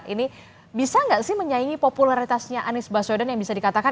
ini bisa nggak sih menyaingi popularitasnya anies baswedan yang bisa dikatakan